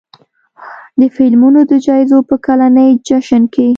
د فلمونو د جایزو په کلني جشن کې